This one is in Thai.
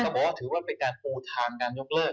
ก็บอกว่าเสียเป็นการอย่างการยกเลิก